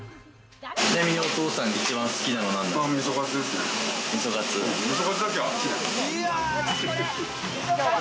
ちなみにお父さんが一番好きなメニューは？